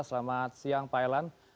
selamat siang pak elan